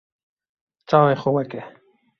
Çavê xwe veke.